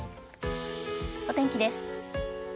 お天気です。